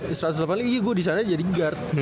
di satu ratus delapan lagi gue disana jadi guard